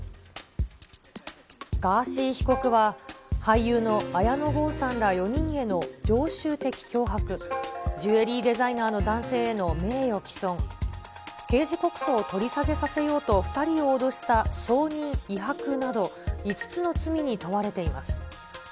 ガーシー被告は、俳優の綾野剛さんら４人への常習的脅迫、ジュエリーデザイナーの男性への名誉棄損、刑事告訴を取り下げさせようと２人を脅した証人威迫など、５つの罪に問われています。